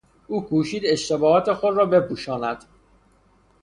او کوشید اشتباهات خود را بپوشاند.